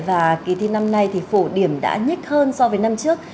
và kỳ thi năm nay thì phổ điểm đã nhích hơn so với năm trước